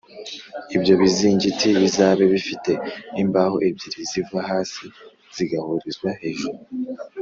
Ibyo bizingiti bizabe bifite imbaho ebyiri ziva hasi zigahurizwa hejuru